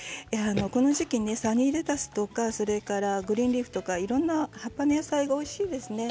この時期サニーレタスとかグリーンリーフとかいろいろな葉っぱの野菜がおいしいですね。